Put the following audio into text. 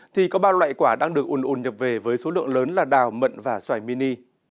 thì có ba loại quả đang được ồn ồn nhập về với số lượng lớn là đào mận và xoài mini